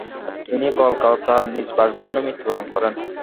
তিনি কলকাতার নিজ বাসভবনে মৃত্যুবরণ করেন।